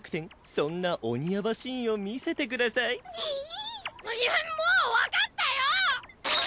そんな鬼ヤバシーンを見せてください。もわかったよ！